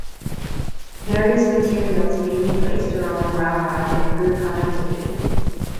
Various materials may be placed around the ground rod to improve conductivity.